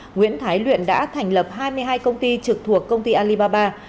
nguyễn thái luyện đã thành lập hai mươi hai công ty trực thuộc công ty alibaba